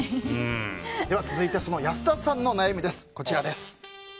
続いて、安田さんの悩みです。